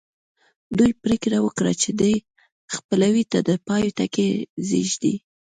دوی پرېکړه وکړه چې دې خپلوۍ ته د پای ټکی ږدي